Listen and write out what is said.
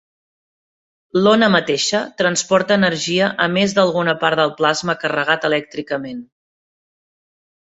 L'ona mateixa transporta energia a més d'alguna part del plasma carregat elèctricament.